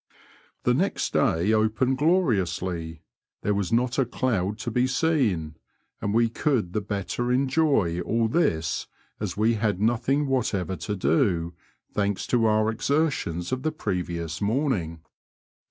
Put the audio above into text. *' The next day opened gloriously ; there was not a cloud to be seen, and we could the better enjoy all this as we had nothing whatever to do, thanks to our exertions of the previous morning.